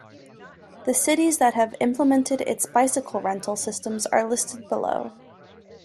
The cities that have implemented its bicycle rental systems are listed below.